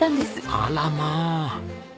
あらまあ。